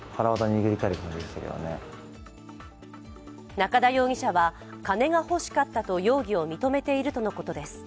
中田容疑者は、金が欲しかったと容疑を認めているとのことです。